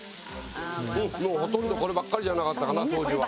もうほとんどこればっかりじゃなかったかな当時は。